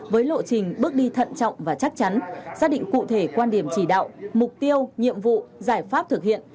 với lộ trình bước đi thận trọng và chắc chắn xác định cụ thể quan điểm chỉ đạo mục tiêu nhiệm vụ giải pháp thực hiện